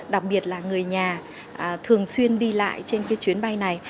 đặc biệt là người nhà thường xuyên đi lại trên cái chuyến bay này